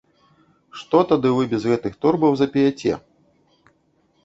Што тады вы без гэтых торбаў запеяце?